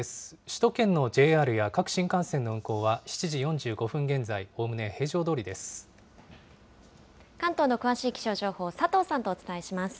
首都圏のＪＲや各新幹線の運行は７時４５分現在、おおむね平常ど関東の詳しい気象情報、佐藤